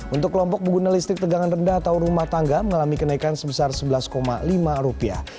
untuk kelompok pengguna listrik tegangan rendah atau rumah tangga mengalami kenaikan sebesar sebelas lima rupiah